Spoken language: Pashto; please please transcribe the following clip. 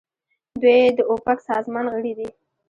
دوی د اوپک سازمان غړي دي.